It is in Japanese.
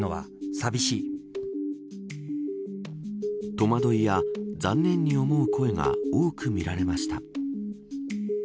戸惑いや残念に思う声が多く見られました。